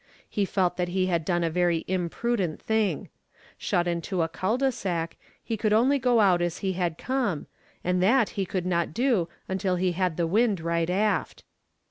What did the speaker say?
He felt that he had done a very imprudent thing. Shut into a cul de sac, he could only go out as he had come, and that he could not do until he had the wind right aft.